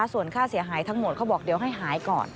ส่วนค่าเสียหายทั้งหมดเขาบอกเดี๋ยวให้หายก่อน